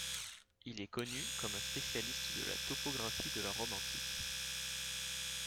Il est connu comme un spécialiste de la topographie de la Rome antique.